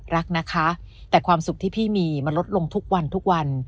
รักนะคะแต่ความสุขที่พี่มีมันลดลงทุกวันทุกวัน